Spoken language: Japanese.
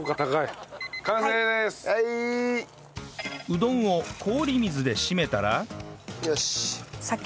うどんを氷水でしめたらよしっ。